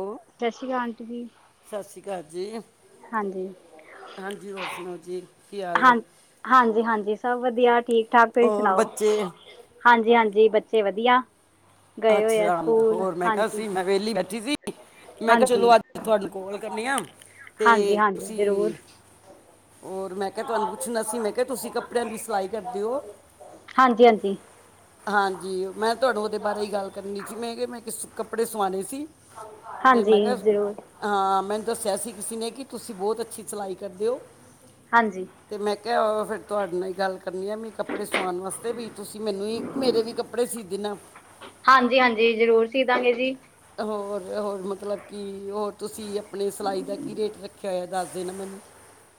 ਉਹ! ਸ਼੍ਰੀ ਕਾਲ ਆਂਟੀ ਜੀ। ਸ਼੍ਰੀ ਕਾਲ ਜੀ। ਹਾਂਜੀ! ਹਾਂਜੀ! ਹੋਰ ਸੁਣਾਓ ਜੀ। ਕੀ ਹਾਲ ਹੈ? ਹਾਂ! ਹਾਂਜੀ! ਹਾਂਜੀ! ਸਭ ਵਧੀਆ ਠੀਕ- ਠਾਕ। ਤੁਸੀਂ ਹੋਰ ਸੁਣਾਓ? ਬੱਚੇ ਹਾਂਜੀ! ਹਾਂਜੀ! ਬੱਚੇ ਵਧੀਆ। ਗਏ ਹੋਏ ਆ ਅੱਛਾ! ਸਕੂਲ ਹੋਰ ਮੈਂ ਕਿਹਾ ਹਾਂਜੀ ਸੀ। ਮੈਂ ਵਿਹਲੀ ਬੇ ਸੀ, ਮੈਂ ਕਿਹਾ ਹਾਂਜੀ ਚਲੋ ਅੱਜ ਤੁਹਾਨੂੰ ਕੌਲ ਕਰਨੇ ਆ। ਤੇ, ਹਾਂਜੀ ਹਾਂਜੀ ਜ਼ਰੂਰ ਤੁਸੀਂ, ਹੋਰ! ਮੈਂ ਕਿਹਾ ਤੁਹਾਨੂੰ ਪੁੱਛਣਾ ਸੀ। ਮੈਂ ਕਿਹਾ ਤੁਸੀਂ ਕੱਪੜਿਆਂ ਦੀ ਸਿਲਾਈ ਕਰਦੇ ਹੋ। ਹਾਂਜੀ! ਹਾਂਜੀ! ਹਾਂਜੀ ਮੈਂ ਤੁਹਾਨੂੰ ਉਹਦੇ ਬਾਰੇ ਹੀ ਗੱਲ ਕਰਨੀ ਸੀ ਮੈਂ ਕਿਹਾ ਮੈਂ ਕਿਸ ਕੱਪੜੇ ਸਵਾਣੇ ਸੀ ਤੇ ਮੈਂ ਹਾਂਜੀ ਕਿਹਾ ਜ਼ਰੂਰ ਹਾਂ ਮੈਨੂੰ ਦੱਸਿਆ ਸੀ ਕਿਸੇ ਨੇ ਕਿ ਤੁਸੀਂ ਬਹੁਤ ਅੱਛੀ ਸਲਾਈ ਕਰਦੇ ਓ ਹਾਂਜੀ ਹਾਂਜੀ ਮੈਂ ਕਿਹਾ ਫਿਰ ਤੁਹਾਡੇ ਨਾਲ ਗੱਲ ਕਰਨ ਆ ਵੀ ਕੱਪੜੇ ਸਵਾਉਣ ਵਾਸਤੇ ਵੀ ਤੁਸੀਂ ਮੈਨੂੰ ਹੀ ਮੇਰੇ ਵੀ ਕੱਪੜੇ ਸੀ ਦੇਣਾ ਹਾਂਜੀ ਹਾਂਜੀ ਜ਼ਰੂਰ ਸੀ ਦਾਂਗੇ ਜੀ ਹੋਰ ਹੋਰ ਮਤਲਬ ਕਿ ਹੋਰ, ਤੁਸੀਂ ਆਪਣੇ ਸਿਲਾਈ ਦਾ ਕੀ ਰੇਟ ਰੱਖ ਕਿਹ ਦੱਸਦੇ ਨਾ ਮੈਨੂੰ।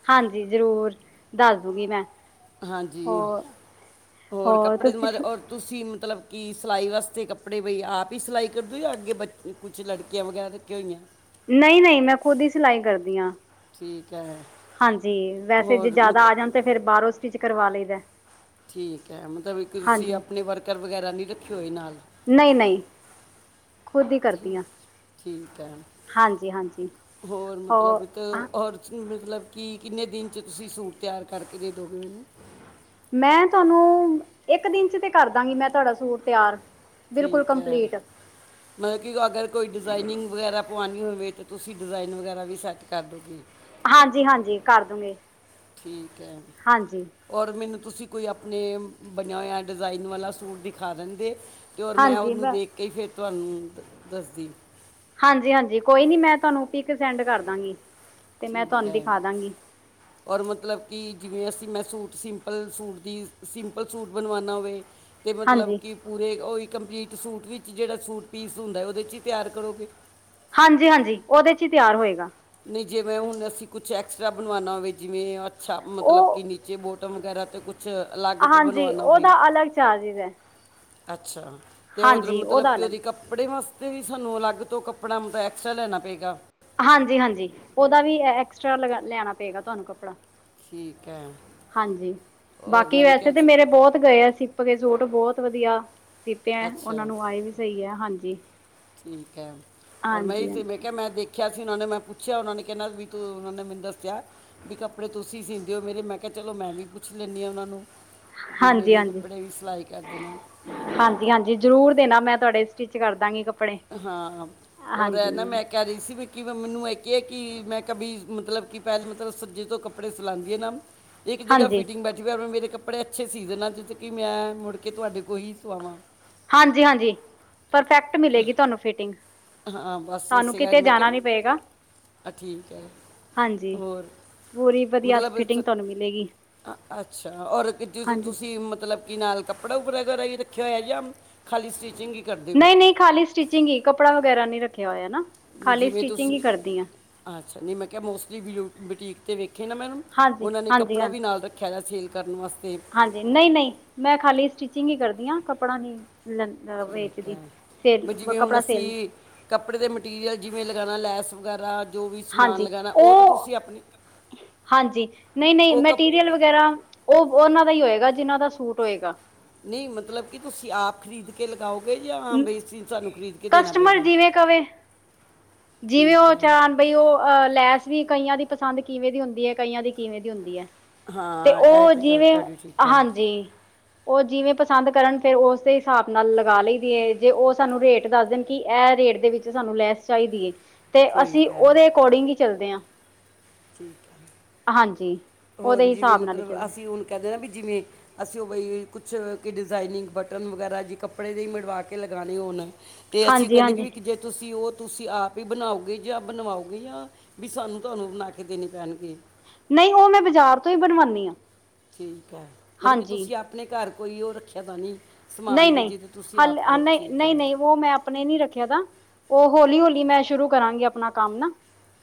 ਹਾਂਜੀ! ਜ਼ਰੂਰ ਦੱਸ ਦੂਗੀ ਮੈਂ। ਹਾਂਜੀ! ਹੋਰ ਹੋਰ ਕੱਪੜੇ ਦੀ ਤੁਸੀਂ ਮਾ ਠੀਕ ਔਹ ਤੁਸੀਂ ਮਤਲਬ ਕਿ ਸਿਲਾਈ ਵਾਸਤੇ ਕੱਪੜੇ ਬਈ ਆਪ ਹੀ ਸਿਲਾਈ ਕਰ ਦੇ ਉ ਜਾਂ ਅੱਗੇ ਬੱਚ ਕੁਛ ਲੜਕੀਆਂ ਵਗੈਰਾ ਨੇ। ਰੱਖੀਆਂ ਹੋਈਆਂ। ਨਹੀਂ-ਨਹੀਂ ਮੈਂ ਖ਼ੁਦ ਹੀ ਸਿਲਾਈ ਕਰਦੀ ਆ। ਠੀਕ ਏ। ਹਾਂਜੀ! ਵੈਸੇ ਜੇ ਜ਼ਿਆਦਾ ਆ ਜਾਣ ਤਾਂ ਫਿਰ ਬਾਹਰੋਂ ਸਟਿਚ ਕਰਵਾ ਲਈਦਾ। ਠੀਕ ਏ! ਮਤਲਬ ਇੱਕ ਤੁਸੀਂ ਹਾਂਜੀ ਆਪਣੇ ਵਰਕਰ ਵਗੈਰਾ ਨਹੀਂ ਰੱਖੇ ਹੋਏ ਨਾਲ। ਨਹੀਂ-ਨਹੀਂ ਖੁਦ ਹੀ ਕਰਦੀ ਆ। ਠੀਕ ਏ! ਹੋਰ ਹੋ ਮਤਲਬ ਇਕ ਹਾਂ, ਔਰ ਨਹੀ, ਮਤਲਬ ਕੀ ਕਿੰਨੇ ਦਿਨ 'ਚ ਤੁਸੀਂ ਸੂਟ ਤਿਆਰ ਕਰਕੇ ਦੇ ਦੋਗੇ ਮੈਨੂੰ। ਮੈਂ ਤੁਹਾਨੂੰ ਇੱਕ ਦਿਨ 'ਚ ਤੇ ਕਰਦਾਂਗੀ। ਮੈਂ ਤੁਹਾਡਾ ਸੂਟ ਤਿਆਰ। ਬਿਲਕੁਲ ਠੀਕ ਏ। ਕੰਪਲੀਟ ਮਤਲਬ ਕਿ ਅ ਅਗਰ ਕੋਈ ਡਿਜ਼ਾਇਨਿੰਗ ਵਗੈਰਾ ਪਵਾਨੀ ਹੋਵੇ ਤਾਂ, ਤੁਸੀਂ ਡਿਜ਼ਾਇਨ ਵਗੈਰਾ ਵੀ ਸੈੱਟ ਕਰ ਦੋਗੇ। ਹਾਂਜੀ! ਹਾਂਜੀ! ਕਰ ਦੂਗੀ। ਠੀਕ ਏ। ਔਰ! ਮੈਨੂੰ ਤੁਸੀਂ ਕੋਈ ਆਪਣੇ ਅ ਬਣਿਆ ਹੋਇਆ ਡਿਜ਼ਾਇਨ ਵਾਲਾ ਸੂਟ ਦਿਖਾ ਦਿੰਦੇ। ਤੇ ਔਰ ਮੈਂ ਉਹਨੂੰ ਦੇਖ ਕੇ ਹੀ ਫਿਰ ਤੁਹਾਨੂੰ ਦੱਸਦੀ। ਹਾਂਜੀ-ਹਾਂਜੀ ਕੋਈ ਨੀ ਮੈਂ ਤੁਹਾਨੂੰ ਪਿਕ ਸੈਂਡ ਕਰ ਦਾਂਗੀ। ਅਤੇ ਮੈਂ ਠੀਕ ਤੁਹਾਨੂੰ ਏ। ਦਿਖਾ ਦਾਂਗੀ ਔਰ! ਮਤਲਬ ਕੀ ਜਿਵੇਂ ਅਸੀਂ ਮੈਂ ਸੂਟ ਸਿੰਪਲ ਸੂਟ ਦੀ ਅ ਸਿੰਪਲ ਸੂਟ ਬਣਵਾਨਾ ਹੋਵੇ। ਤੇ ਮਤਲਬ ਹਾਂਜੀ ਕੀ ਪੂਰੇ ਅ ਉਹੀ ਕੰਪਲੀਟ ਸੂਟ ਵਿੱਚ ਜਿਹੜਾ ਸੂਟ ਪੀਸ ਹੁੰਦਾ। ਉਹਦੇ 'ਚ ਹੀ ਤਿਆਰ ਕਰੋਗੇ। ਹਾਂਜੀ! ਹਾਂਜੀ! ਉਹਦੇ 'ਚ ਹੀ ਤਿਆਰ ਹੋਏਗਾ। ਨਹੀਂ! ਜਿਵੇਂ ਹੁਣ ਅਸੀਂ ਕੁਛ ਐਕਸਟਰਾ ਬਣਵਾਨਾ ਹੋਵੇ ਜਿਵੇਂ ਅ ਅੱਛਾ ਮਤਲਬ ਕਿ ਉਹ ਨੀ ਜੇਹ ਬੋਟਮ ਵਗੈਰਾ ਤੇ ਕੁਛ ਅਲੱਗ ਤੋਂ ਹਾਂਜੀ ਬਣਵਾਉਣਾ ਹੋਵੇ। ਉਹਦਾ ਅਲੱਗ ਚਾਰਜਿਸ ਹੈ ਅੱਛਾ! ਤੇ ਉਧਰ ਹਾਂਜੀ ਮਤਲਬ ਉਹਦਾ ਕਿ ਅਲੱਗ ਉਹਦੀ ਕੱਪ ਕੱਪੜੇ ਵਾਸਤੇ ਵੀ ਸਾਨੂੰ ਅਲੱਗ ਤੋਂ ਕੱਪੜਾ ਮਤ ਐਕਸਟ੍ਰਾ ਲੈਣਾ ਪਏਗਾ। ਹਾਂਜੀ-ਹਾਂਜੀ ਉਹਦਾ ਵੀ ਐ ਐਕਸਟਰਾ ਲਗਾ ਲਿਆਣਾ ਪਏਗਾ ਤੁਹਾਨੂੰ ਕੱਪੜਾ। ਠੀਕ ਐ। ਹਾਂਜੀ ਬਾਕੀ ਵੈਸੇ ਤਾਂ ਮੇਰੇ ਬਹੁਤ ਗਏ ਆ ਸਿੱਪ ਕੇ ਸੂਟ ਬਹੁਤ ਵਧੀਆ। ਸੀਪਿਆ ਉਹਨਾਂ ਅੱਛਾ ਨੂੰ ਆਏ ਵੀ ਸਹੀ ਐ ਹਾਂਜੀ। ਠੀਕ ਹੈ ਔਰ ਮੈਂ ਇਹੀ ਹਾਂਜੀ ਤੇ ਹਾਂਜੀ ਵੇਖਿਆ ਮੈਂ ਦੇਖ ਕਿਹਾ ਸੀ ਉਹਨਾਂ ਨੇ ਮੈਂ ਪੁੱਛਿਆ ਉਹਨਾਂ ਨੇ ਕਹਿੰਦਾ ਵੀ ਤੂੰ ਉਹਨਾਂ ਨੇ ਮੈਨ ਦੱਸਿਆ। ਵੀ ਕੱਪੜੇ ਤੁਸੀਂ ਸੀਂਦੇ ਹੋ ਮੇਰੇ, ਮੈਂ ਕਿਹਾ ਚਲੋ ਮੈਂ ਵੀ ਪੁੱਛ ਲੈਂਣੀ ਹਾਂ ਉਹਨਾਂ ਨੂੰ ਵੀ ਮੇਰੇ ਕੱਪੜੇ ਵੀ ਸਿਲਾਈ ਕਰ ਦੇਣਾ। ਹਾਂਜੀ-ਹਾਂਜੀ ਜ਼ਰੂਰ ਦੇਣਾ ਮੈਂ ਤੁਹਾਡੇ ਸਟਿੱਚ ਕਰ ਦਾਂਗੀ ਕੱਪ ਹਾਂ ਔਰ ਇਹ ਨਾ ਮੈਂ ਕਹਿ ਰਹੀ ਸੀ ਵੀ ਕਿ ਮੈਨੂੰ ਇਹ ਹੈ ਕਿ ਮੈਂ ਕਭੀ ਮਤਲਬ ਕਿ ਪਹਿਲ ਮਤਲਬ ਸੱਜੇ ਤੋਂ ਕੱਪੜੇ ਸਿਲਾਦੀ ਏ ਨਾ ਇੱਕ ਜਗ੍ਹਾ ਹਾਂਜੀ ਫਿਟਿੰਗ ਬੈਠੀੈਂ ਮੇਰੇ ਕੱਪੜੇ ਅੱਛੇ ਸੀ ਦੇਣਾ ਜਿੱਦੋਂ ਕਿ ਮੈਂ ਮੁੜ ਕੇ ਤੁਹਾਡੇ ਕੋ ਹੀ ਸਵਾਵਾਂ। ਹਾਂਜੀ-ਹਾਂਜੀ ਪਰਫੈਕਟ ਮਿਲੇਗੀ ਤੁਹਾਨੂੰ ਫਿਟਿੰਗ। ਹਾਂ ਬਸ ਤਾਨੂੰ ਇਸੇ ਕਰਕੇ ਕਿਤੇ ਮੈਂ ਜਾਣਾ ਕਿਹਾ ਨੀ ਪਏਗਾ। ਆ ਠੀਕ ਹੈ। ਹਾਂਜੀ। ਹੋਰ ਪੂਰੀ ਵਧੀਆ ਮਤਲਬ ਚ ਫਿਟਿੰਗ ਤੁਹਾਨੂੰ ਮਿਲੇਗੀ ਅ ਅ ਅੱਛਾ ਔਰ ਇੱਕ ਜਦੋਂ ਹਾਂਜੀ ਤੁਸੀਂ ਮਤਲਬ ਕਿ ਨਾਲ ਕੱਪੜਾ ਉੱਪੜਾ ਵਗੈਰਾ ਵੀ ਰੱਖਿਆ ਹੋਇਆ ਜਾ ਖਾਲੀ ਸਟੀਚਿੰਗ ਹੀ। ਕਰਦੇ ਹੋ ਨਹੀਂ-ਨਹੀਂ ਖਾਲੀ ਸਟਿਚਿੰਗ ਹੀ, ਕੱਪੜਾ ਵਗੈਰਾ ਨੀ ਰੱਖਿਆ ਹੋਇਆ ਨਾ, ਨਹੀਂ ਖਾਲੀ ਜਿਵੇਂ ਸਟਿਚਿੰਗ ਤੁਸੀਂ ਹੀ ਕਰਦੀ ਆ। ਅੱਛਾ ਨਹੀਂ ਮੈਂ ਕਿਹਾ ਮੋਸਟਲੀ ਬਿਊ ਬੁਟੀਕ 'ਤੇ ਵੇਖੇ ਨਾ ਮੈ ਹਾਂਜੀ ਉਹਨਾਂ ਨੇ ਹਾਂਜੀ ਕੱਪੜਾ ਹਾਂਜੀ ਵੀ ਨਾਲ ਰੱਖ- ਖਿਆ ਸੇਲ ਕਰਨ ਵਸਤੇ। ਹਾਂਜੀ ਨਹੀਂ- ਨਹੀਂ ਮੈਂ ਖਾਲੀ ਸਟਿਚਿੰਗ ਹੀ ਕਰਦੀ ਆ। ਕੱਪੜਾ ਨੀ ਲੈ ਦੀ ਠੀਕ ਹੈ। ਵੀ ਜਿਵੇਂ ਹੁਣ ਸੇਲ ਅਸੀਂ ਕੱਪੜੇ ਦੇ ਮਟੀਰੀਅਲ ਜਿਵੇਂ ਲਗਾਣਾ ਲੈਸ ਵਗੈਰਾ ਜੋ ਵੀ ਸਮਾਨ ਲਗਾਣਾ ਉਹ ਤੇ ਤੁਸੀਂ ਅਪਣੀ ਹਾਂਜੀ। ਨਹੀਂ-ਨਹੀਂ ਮੈਟੀਰੀਅਲ ਵਗੈਰਾ ਉਹ ਉਹਨਾਂ ਦਾ ਹੀ ਹੋਏਗਾ ਜਿਹਨਾਂ ਦਾ ਸੂਟ ਹੋਏਗਾ। ਨਹੀਂ ਮਤਲਬ ਕਿ ਤੁਸੀਂ ਆਪ ਖਰੀਦ ਕੇ ਲਗਾਓਗੇ ਯਾਂ ਬਈ ਸਾਨੂੰ ਖਰੀਦ ਕੇ ਦੇਣਾ ਕਸਟਮਰ ਪਏਗਾ। ਜਿਵੇਂ ਕਵੇ ਜਿਵੇਂ ਠੀਕ ਉਹ ਹੈ ਚਾਣ ਬਈ ਉਹ ਅਹ ਲੈਸ ਵੀ ਕਈਆਂ ਦੀ ਪਸੰਦ ਕਿਵੇਂ ਦੀ ਹੁੰਦੀ ਏ। ਕਈਆਂ ਦੀ ਕਿਵੇਂ ਦੀ ਹੁੰਦੀ ਏ। ਤੇ ਹਾਂ ਇਹ ਉਹ ਤੇ ਗੱਲ ਜਿਵੇਂ ਤੁਹਾਡੀ ਠੀਕ ਹੈ ਹਾਂਜੀ। ਉਹ ਜਿਵੇਂ ਪਸੰਦ ਕਰਨ ਫੇਰ ਉਸੇ ਹਿਸਾਬ ਨਾਲ ਲਗਾ ਲਈ ਦੀਏ ਜੇ ਉਹ ਸਾਨੂੰ ਰੇਟ ਦੱਸ ਦੇਣ ਕਿ ਇਹ ਰੇਟ ਦੇ ਵਿੱਚ ਸਾਨੂੰ ਲੈਸ ਚਾਹੀਦੀ ਏ ਤੇ ਅਸੀਂ ਠੀਕ ਹੈ ਉਹਦੇ ਅਕੋਰਡਿੰਗ ਹੀ ਚੱਲਦੇ ਹਾਂ। [inaudible] ਹਾਂਜੀ। ਹੋਰ ਉਹਦੇ ਜਿਵੇਂ ਹਿਸਾਬ ਨਾਲ ਹੀ ਮਤਲਬ ਚੱਲਦੇ ਅਸੀਂ ਹੁਣ ਕਹਿੰਦੇ ਨਾ ਵੀ ਜਿਵੇਂ ਅਸੀਂ ਉਹ ਬਈ ਕੁਛ ਕਿ ਡਿਜ਼ਾਇਨਿੰਗ ਬਟਨ ਵਗੈਰਾ ਜੇ ਕੱਪੜੇ ਦੇ ਹੀ ਮੜਵਾ ਕੇ ਲਗਾਣੇ ਹੋਣ ਅਤੇ ਅਸੀਂ ਹਾਂਜੀ ਕਹਿੰਦੇ ਕਿ ਹਾਂਜੀ ਵੀ ਜੇ ਤੁਸੀਂ ਉਹ ਤੁਸੀਂ ਆਪ ਹੀ ਬਣਾਓਗੇ ਜਾਂ ਬਣਵਾਓਗੇ ਯਾ ਵੀ ਸਾਨੂੰ ਤੁਹਾਨੂੰ ਬਣਾ ਕੇ ਦੇਣੇ ਪੈਣਗੇ? ਨਹੀਂ ਉਹ ਮੈਂ ਬਾਜ਼ਾਰ ਤੋਂ ਹੀ ਬਣਵਾਣੀ ਹਾਂ। ਠੀਕ ਹੈ ਮਤਲਬ ਕਿ ਹਾਂਜੀ ਤੁਸੀਂ ਆਪਣੇ ਘਰ ਕੋਈ ਉਹ ਰੱਖਿਆ ਦਾ ਨਹੀਂ ਸਮਾਨ ਨਹੀਂ ਬ ਨਹੀਂ ਜਿਦ ਤੁਸੀਂ ਹਾਲੇ ਆਪ ਕਰੋ ਨਹੀਂ ਠੀਕ ਨਹੀਂ ਹੈ। ਨਹੀਂ ਮੈਂ ਆਪਣੇ ਨੀ ਰੱਖਿਆ ਤ ਉਹ ਹੌਲੀ ਹੌਲੀ ਮੈਂ ਸ਼ੁਰੂ ਕਰਾਂਗੀ ਆਪਣਾ ਕੰਮ ਨਾ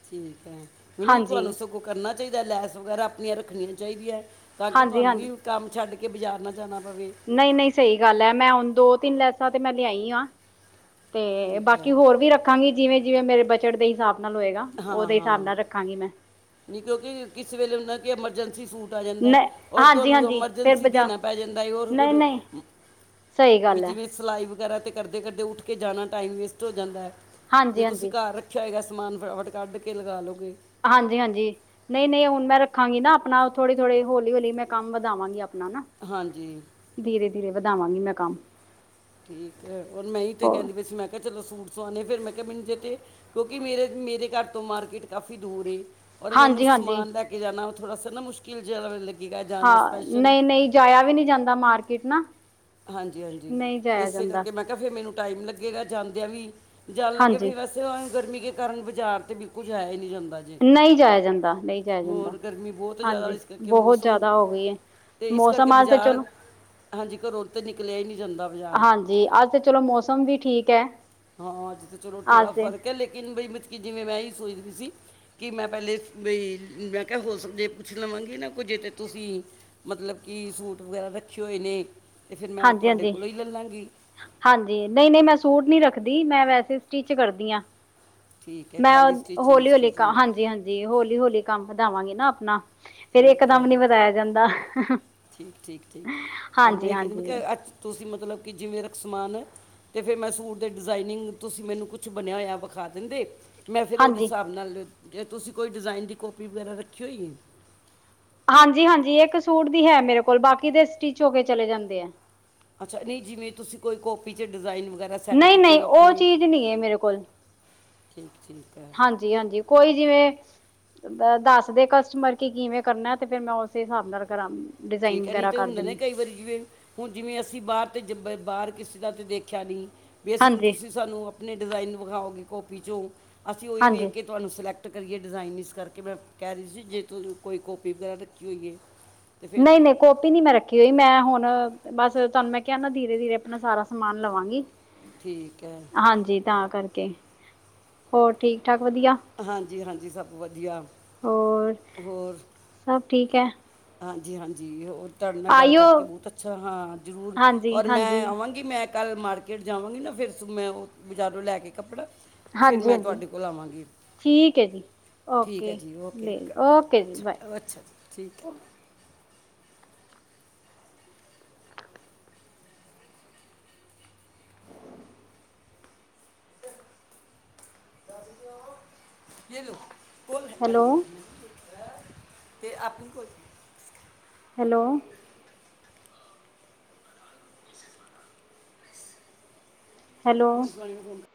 ਠੀਕ ਹੈ। ਨਹੀ-ਨਹੀਂ ਹਾਂਜੀ ਤੁਹਾਨੂੰ ਸਗੋਂ ਕਰਨਾ ਚਾਹੀਦਾ ਲੈਸ ਵਗੈਰਾ ਅਪਣੀਆਂ ਰੱਖਣੀਆਂ ਚਾਹੀਦੀਆਂ। ਤਾਂ ਕਿ ਹਾਂਜੀ ਤੁਹਾਨੂੰ ਹਾਂਜੀ ਵੀ ਕੰਮ ਛੱਡ ਕੇ ਬਾਜ਼ਾਰ ਨਾ ਜਾਣਾ ਪਵੇ। ਨਹੀਂ-ਨਹੀਂ ਸਹੀ ਗੱਲ ਐ। ਮੈਂ ਹੁਣ ਦੋ-ਤਿੰਨ ਲੈਸਾਂ ਤੇ ਮੈਂ ਲਿਆਈ ਆਂ। ਤੇ ਠੀਕ ਹੈ ਬਾਕੀ ਹੋਰ ਵੀ ਰੱਖਾਂਗੀ ਜਿਵੇਂ-ਜਿਵੇਂ ਮੇਰੇ ਬਜਟ ਦੇ ਹਿਸਾਬ ਨਾਲ ਹੋਏਗਾ ਹਾਂ ਉਹਦੇ ਹਾਂ ਹਿਸਾਬ ਨਾਲ ਰ- ਖਾਂਗੀ ਮੈ ਨਹੀਂ ਕਿਉਂਕਿ ਕਿਸ ਵੇਲੇ ਹੂਨਾ ਕਿ ਐਮਰਜੈਂਸੀ ਸੂਟ ਜਾਂਦਾ ਨਹੀਂ ਔਰ ਹਾਂਜੀ ਤੁਹਾਨੂੰ ਹਾਂਜੀ ਫਿਰ ਐਮਰਜੈਂਸੀ ਬਜਾ ਦੇਣਾ ਪੈ ਜਾਂਦਾ ਓਰ ਨਹੀਂ ਓਰ ਨਹੀਂ ਸਹੀ ਗੱਲ ਹੈ ਸਿਲਾਈ ਵਗੈਰਾ ਤੇ ਕਰਦੇ ਕਰਦੇ ਉੱਠ ਕੇ ਜਾਣਾ ਟਾਈਮ ਵੇਸਟ ਹੋ ਜਾਂਦਾ ਹੈ ਜੇ ਹਾਂਜੀ ਤੁਸੀਂ ਹਾਂਜੀ ਘਰ ਰੱਖ ਰਖਿਆ ਹੋਏਗਾ ਸਮਾਨ ਫਟਾਫਟ ਕੱਢ ਕੇ ਲਗਾ ਲਉਗੇ ਹਾਂਜੀ ਹਾਂਜੀ ਨਹੀਂ ਨਹੀਂ ਹੁਣ ਮੈਂ ਰੱਖਾਂਗੀ ਨਾ, ਆਪਣਾ ਥੋੜੀ ਥੋੜੀ ਹੌਲੀ ਹੌਲੀ ਮੈਂ ਕੰਮ ਵਧਾਵਾਂਗੀ ਆਪਣਾ ਨਾ। ਹਾਂਜੀ। ਧੀਰੇ ਧੀਰੇ ਵਧਾਵਾਂਗੀ ਮੈਂ ਕੰਮ। ਠੀਕ ਐ, ਔਰ ਮੈਂ ਹੀ ਤਾਂ ਹੋਰ ਕਹਿੰਦੀ ਪਈ ਸੀ, ਮੈਂ ਕਿਹਾ ਚਲੋਂ ਸੂਟ ਸਵਾਣੇ ਆ, ਫਿਰ ਮੈਂ ਕਿਹਾ ਮੈਨੂੰ ਚੇਤੇ ਕਿਉਂਕਿ ਮੇਰੇ ਮੇਰੇ ਘਰ ਤੋਂ ਮਾਰਕੀਟ ਕਾਫੀ ਦੂਰ ਏ। ਔਰ ਮੈਨੂੰ ਹਾਂਜੀ ਹਾਂਜੀ ਸਮਾਨ ਲੈ ਕੇ ਜਾਣਾ ਥੋੜਾ ਸਾ ਨਾ ਮੁਸ਼ਕਿਲ ਜਿਹਾ ਲਗ ਹਾਂ, ਨਹੀਂ ਨਹੀਂ ਜਾਇਆ ਵੀ ਨੀ ਜਾਂਦਾ ਮਾਰਕੀਟ ਨਾ। ਹਾਂਜੀ ਹਾਂਜੀ, ਨਹੀਂ ਜਾਇਆ ਇਸੇ ਜਾਂਦਾ ਕਰਕੇ ਮੈਂ ਕਿਹਾ ਫਿਰ ਮੈਨੂੰ ਟਾਈਮ ਲੱਗੇਗਾ ਜਾਂਦਿਆਂ ਵੀ ਜਾਣ ਲੱਗਿਆ ਹਾਂਜੀ ਫਰ ਬਸ ਤੇ ਗਰਮੀ ਕੇ ਕਾਰਨ ਬਾਜ਼ਾਰ ਤੇ ਬਿਲਕੁਲ ਜਾਇਆ ਹੀ ਨਹੀਂ ਜਾਂਦਾ। ਨਹੀਂ ਜਾਇਆ ਜਾਂਦਾ ਨਹੀਂ ਜਾਇਆ ਜਾਂਦਾ ਹੋਰ ਗਰਮੀ ਬਹੁਤ ਜ਼ਿਆਦਾ ਹੋਈ, ਹਾਂਜੀ ਇਸ ਕਰਕੇ ਬਹੁਤ ਮੌਸਮ ਜ਼ਿਆਦਾ ਹੋ ਗਈ ਹੈ ਅਤੇ ਇਸ ਕਰਕੇ ਮੌਸਮ ਅੱਜ ਤੇ ਬਾਜ਼ਾਰ, ਚਲੋ ਹਾਂਜੀ ਘਰੋ 'ਤੇ ਨਿਕਲਿਆ ਹੀ ਨਹੀਂ ਜਾਂਦਾ। ਬਾਜ਼ਾਰ ਹਾਂਜੀ, ਅੱਜ ਤੇ ਚਲੋ ਮੌਸਮ ਵੀ ਠੀਕ ਐ। ਹਾਂ, ਅੱਜ ਤਾਂ ਚਲੋ ਥੋੜਾ ਫਰਕ ਐ, ਲੇਕਿਨ ਬਾਈ ਮਤਬ ਕਿ ਜਿਵੇਂ ਮੈਂ ਸੋਚ ਵੀ ਸੀ ਕਿ ਮੈਂ ਪਹਿਲੇ ਬਈ ਮੈਂ ਕਿਹਾ ਹੋਰਝੇ ਪੁੱਛ ਲਵਾਂਗੀ ਨਾ ਕੋ ਜੇ ਤਾਂ ਤੁਸੀਂ ਮਤਲਬ ਕਿ ਸੂਟ ਵਗੈਰਾ ਰੱਖੇ ਹੋਏ ਨੇ ਅਤੇ ਫਿਰ ਮੈਂ ਹਾਂਜੀ ਤੁਹਾਡੇ ਹਾਂਜੀ ਕੋਲੋਂ ਹੀ ਲੈ ਲਾਂਗੀ ਹਾਂਜੀ ਨਹੀਂ ਨਹੀਂ ਮੈਂ ਸੂਟ ਨਹੀਂ ਰੱਖਦੀ ਮੈਂ ਵੈਸੇ ਸਟਿਚ ਕਰਦੀ ਹਾਂ ਠੀਕ ਹੈ ਮੈਂ ਖਾਲੀ ਸਟਿਚਿੰਗ ਹੌਲੀ ਹੌਲੀ ਸਟਿਚਿੰਗ ਹਾਂਜੀ ਹਾਂਜੀ ਹੌਲੀ ਹੌਲੀ ਕੰਮ ਵਧਾਵਾਂਗੀ ਨਾ ਆਪਣਾ ਫੇਰ ਇਕ ਠੀਕ ਦਮ ਹੈ ਨੀ ਵਧਾਇਆ ਜਾਂਦਾ ਠੀਕ ਠੀਕ ਠੀਕ ਔਰ ਮੈਂ ਹਾਂਜੀ ਇ ਕਹਿਦੀ ਮੈ ਹਾਂਜੀ ਕਿਆ ਅੱਜ ਤੁਸੀਂ ਮਤਲਬ ਕਿ ਜਿਵੇਂ ਦਾ ਸਮਾਨ ਹੈ ਅਤੇ ਫਿਰ ਮੈਂ ਸੂਟ ਦੇ ਡਿਜ਼ਾਇਨਿੰਗ, ਤੁਸੀਂ ਮੈਨੂੰ ਕੁਛ ਬਣਿਆ ਹੋਇਆ ਵਿਖਾ ਦਿੰਦੇ ਮੈਂ ਫਿਰ ਉਹਦੇ ਹਾਂਜੀ ਹਿਸਾਬ ਨਾਲ, ਜੇ ਤੁਸੀਂ ਕੋਈ ਡਿਜ਼ਾਇਨ ਦੀ ਕਾਪੀ ਵਗੈਰਾ ਰੱਖੀ ਹੋਈ? ਹਾਂਜੀ ਹਾਂਜੀ, ਇੱਕ ਸੂਟ ਦੀ ਹੈ ਮੇਰੇ ਕੋਲ ਬਾਕੀ ਦੇ ਸਟਿਚ ਹੋ ਕੇ ਚਲੇਂ ਜਾਂਦੇ ਆ। ਅੱਛਾ, ਨਹੀਂ ਜਿਵੇਂ ਤੁਸੀਂ ਕੋਈ ਕਾਪੀ ਚ ਡਿਜ਼ਾਇਨ ਵਗੈਰਾ ਸੈੱਟ ਨਹੀਂ ਕੀਤੇ ਨਹੀਂ, ਹੋ ਉਹ ਆਪਣੇ ਚੀਜ਼ ਨਹੀਂ ਐ ਮੇਰੇ ਕੋਲ। ਠੀਕ ਠੀਕ ਐ। ਹਾਂਜੀ ਹਾਂਜੀ, ਕੋਈ ਜਿਵੇਂ ਦੱਸ ਦੇ ਕਸਟਮਰ ਕਿ ਕਿਵੇਂ ਕਰਨਾ, ਤੇ ਫੇਰ ਮੈਂ ਉਸੇ ਹਿਸਾਬ ਨਾਲ ਕਰਾਂਨੀ ਆ ਠੀਕ ਹੈ ਨਹੀਂ ਤੇ ਹੁੰਦਾ ਨੇ ਕਈ ਵਾਰੀ ਜਿਵੇਂ ਹੁਣ ਜਿਵੇਂ ਅਸੀਂ ਬਾਹਰ ਤੇ ਜ ਬ ਬਾਹਰ ਕਿਸੇ ਦਾ ਤਾਂ ਦੇਖਿਆ ਨੀ, ਬੇਸੇ ਹੁਣ ਹਾਂਜੀ। ਤੁਸੀਂ ਸਾਨੂੰ ਆਪਣੇ ਡਿਜ਼ਾਇਨ ਵਿਖਾਓਗੇ, ਕੋਪੀ 'ਚੋਂ ਅਸੀਂ ਉਹੀ ਹਾਂਜੀ। ਵੇਖ ਕੇ ਤੁਹਾਨੂੰ ਸਿਲੈਕਟ ਕਰੀਏ ਡਿਜ਼ਾਇਨ ਇਸ ਕਰਕੇ, ਮੈਂ ਕਹਿ ਰਹੀ ਸੀ ਜੇ ਤੁ ਕੋਈ ਕੋਪੀ ਵਗੈਰਾ ਰੱਖੀ ਹੋਈਏ। ਨਹੀਂ ਨਹੀਂ, ਕੋਟੀ ਨੀ ਮੈਂ ਰੱਖੀ ਹੋਈ, ਮੈਂ ਹੁਣ ਬਸ ਤੁਹਾਨੂੰ ਮੈਂ ਕਿਹਾ ਨਾ ਧੀਰੇ ਧੀਰੇ ਆਪਣਾ ਸਾਰਾ ਸਮਾਨ ਲਵਾਂਗੀ। ਠੀਕ ਐ। ਹਾਂਜੀ, ਤਾਂ ਕਰਕੇ ਹੋਰ ਠੀਕ ਠਾਕ ਵਧੀਆ? ਹਾਂਜੀ ਹਾਂਜੀ, ਸਭ ਵਧੀਆ ਹੋਰ ਹੋਰ? ਸਭ ਠੀਕ ਐ। ਹਾਂਜੀ ਹਾਂਜੀ, ਹੋਰ ਤੁਹਾਡੇ ਨਾਲ ਗੱਲ ਆਈਓ ਕਰਕੇ ਬਹੁਤ ਅੱਛਾ ਹਾਂ, ਜ਼ਰੂਰ ਔਰ ਮੈਂ ਹਾਂਜੀ-ਹਾਂਜੀ। ਆਵਾਂਗੀ ਮੈਂ ਕੱਲ੍ਹ ਮਾਰਕੀਟ ਜਾਵਾਂਗੀ ਨਾ, ਫਿਰ ਮੈਂ ਉਹ ਬਾਜ਼ਾਰੋਂ ਲੈ ਕੇ ਕੱਪੜਾ ਫਿਰ ਮੈਂ ਹਾਂਜੀ-ਹਾਂਜੀ ਤੁਹਾਡੇ ਕੋਲ ਆਵਾਂਗੀ। ਠੀਕ ਐ ਜੀ ਠੀਕ ਓਕੇ ਹੈ ਜੀ ਓਕੇ ਓਕੇ ਉਕੇ ਕੇ, ਜੀ ਬਾਏ ਅੱਛਾ ਅੱਛਾ ਜੀ ਠੀਕ ਐ। ਯੈ ਲੌ [inaudible] ਅਤੇ ਆਪਣੀ ਕੋਲ [inaudible] ਹੈਲੋ। [inaudible]